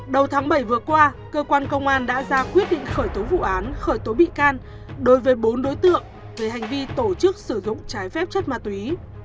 đầu tháng bảy vừa qua cơ quan công an đã ra quyết định khởi tố vụ án khởi tố bị can đối với bốn đối tượng về hành vi tổ chức sử dụng trái phép chất ma túy